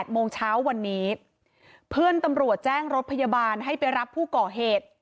โมงเช้าวันนี้เพื่อนตำรวจแจ้งรถพยาบาลให้ไปรับผู้ก่อเหตุ